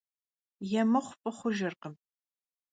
Yê mıxhu f'ı xhujjırkhım.